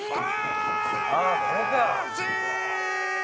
「ああこれか！」